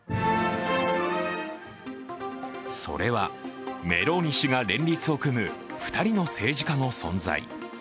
それは、メローニ氏が連立を組む２人の政治家の存在。